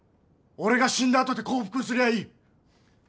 俺が死んだあとで降伏すりゃあいい！